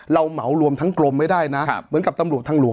เหมารวมทั้งกรมไม่ได้นะเหมือนกับตำรวจทางหลวง